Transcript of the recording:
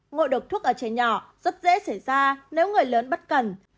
ngộ độc thuốc ở trẻ nhỏ rất dễ xảy ra nếu người lớn bất cần